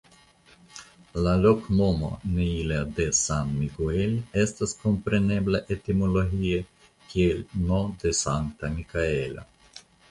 La loknomo "Neila de San Miguel" estas komprenebla etimologie kiel "N. de Sankta Mikaelo".